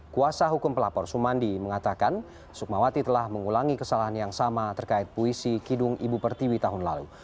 kuasa hukum pelapor sumandi mengatakan sukmawati telah mengulangi kesalahan yang sama terkait puisi kidung ibu pertiwi tahun lalu